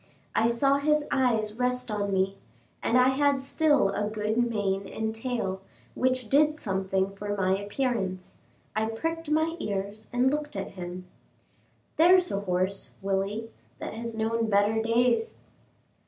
I saw his eye rest on me; I had still a good mane and tail, which did something for my appearance. I pricked my ears and looked at him. "There's a horse, Willie, that has known better days."